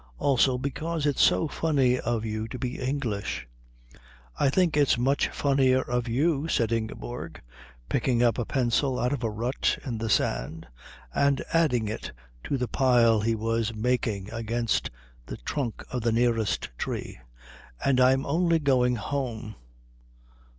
Also because it's so funny of you to be English." "I think it's much funnier of you," said Ingeborg, picking up a pencil out of a rut in the sand and adding it to the pile he was making against the trunk of the nearest tree. "And I'm only going home."